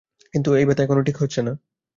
কিন্তু এই ব্যথা এখনো ঠিক হচ্ছে না।